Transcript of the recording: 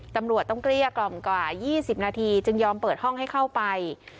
ตำรวจต้องเกลี้ยกล่อมกว่า๒๐นาทีจึงยอมเปิดห้องให้เข้าไป